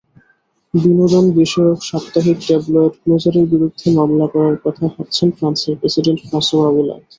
বিনোদনবিষয়ক সাপ্তাহিক ট্যাবলয়েড ক্লোজার-এর বিরুদ্ধে মামলা করার কথা ভাবছেন ফ্রান্সের প্রেসিডেন্ট ফ্রাঁসোয়া ওলাঁদ।